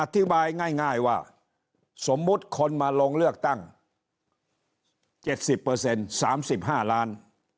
อธิบายง่ายว่าสมมุติคนมาลงเลือกตั้ง๗๐๓๕ล้าน